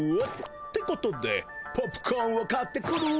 てことでポップコーンを買ってくるぅ！